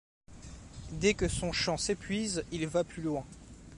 Dès que son champ s’épuise, il va plus loin.